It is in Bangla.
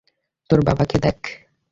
তোর বাবাকে দেখ।